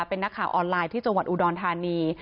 เป็นนักข่าวออนไลน์ที่จังหวัดอุดรธานี